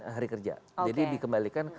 hari kerja jadi dikembalikan